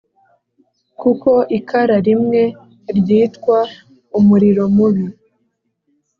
kuko ikara rimwe ryitwa umuriro mubi